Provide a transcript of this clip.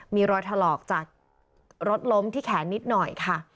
มีรอยถลอกจากรถล้มที่แขนนิดหน่อยค่ะ